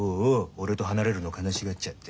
俺と離れるの悲しがっちゃって。